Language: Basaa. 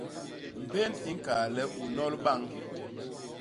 Mbén i ñkal le u nnol bañ.